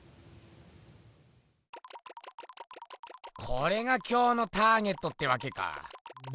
これが今日のターゲットってわけか。